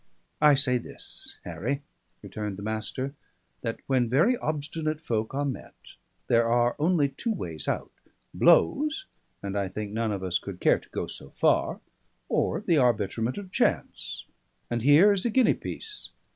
"I say this, Harry," returned the Master, "that when very obstinate folk are met, there are only two ways out: Blows and I think none of us could care to go so far; or the arbitrament of chance and here is a guinea piece.